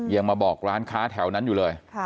ยังมาบอกร้านค้าแถวนั้นอยู่เลย